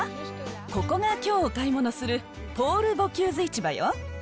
ここがきょうお買い物するポール・ボキューズ市場よ。